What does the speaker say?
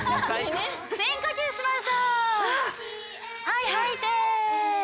はいはいて。